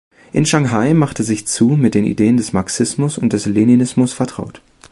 In Shanghai machte sich Zhu mit den Ideen des Marxismus und des Leninismus vertraut.